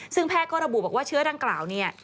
ซึ่งแพทย์ก็ระบุบอกว่าเชื้อดังกล่าวเนี่ย